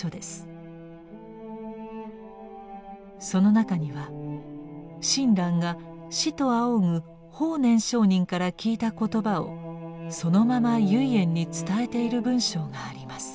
その中には親鸞が師と仰ぐ法然上人から聞いた言葉をそのまま唯円に伝えている文章があります。